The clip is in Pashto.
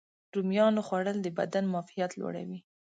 رومیانو خوړل د بدن معافیت لوړوي.